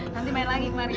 nanti main lagi kemarin ya